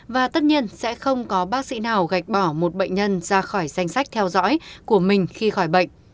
và tất nhiên sẽ không có bác sĩ nào gạch bỏ một bệnh nhân ra khỏi danh sách theo dõi của mình khi khỏi bệnh